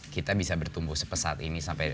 kita bisa bertumbuh sepesat ini sampai